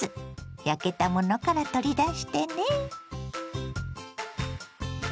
焼けたものから取り出してね。